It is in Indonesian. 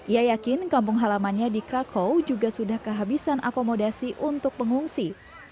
ia yakin kampung halamannya di krakow juga sudah kehabisan akomodasi untuk pengungsi